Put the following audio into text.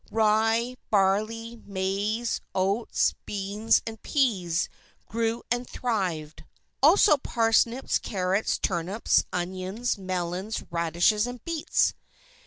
Rye, barley, maize, oats, beans, and peas grew and thrived; also parsnips, carrots, turnips, onions, melons, radishes, and beets.